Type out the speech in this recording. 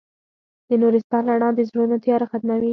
د نورستان رڼا د زړونو تیاره ختموي.